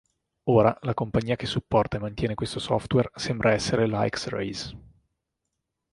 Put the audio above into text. Ora la compagnia che supporta e mantiene questo software sembra essere la hex-rays.